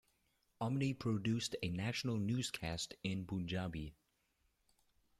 Omni produced a national newscast in Punjabi.